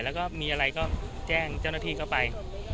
แล้วก็มีอะไรก็แจ้งเจ้าหน้าที่เข้าไป